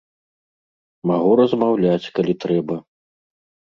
Магу размаўляць, калі трэба.